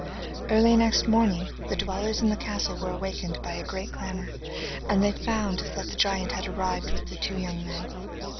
Early next morning the dwellers in the castle were awakened by a great clamour, and they found that the giant had arrived with the two young men.